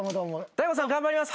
大悟さん頑張ります。